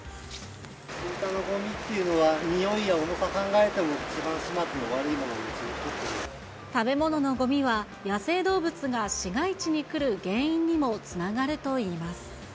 スイカのごみというのは、においや重さ考えても、食べもののごみは、野生動物が市街地に来る原因にもつながるといいます。